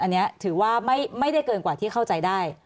อันนี้ถือว่าไม่ได้เกินกว่าที่เข้าใจได้